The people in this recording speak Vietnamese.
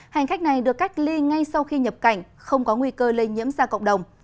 hành khách này được cách ly ngay sau khi nhập cảnh không có nguy cơ lây nhiễm ra cộng đồng